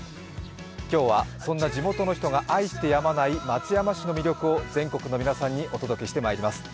今日はそんな地元の人が愛してやまない松山市の魅力を全国の皆さんにお届けしてまいります。